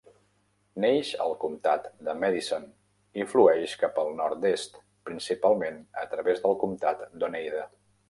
Neix al comtat de Madison i flueix cap al nord-est, principalment a través del comtat d"Oneida.